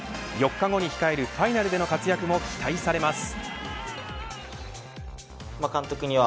４日後に控えるファイナルでの活躍も期待されます。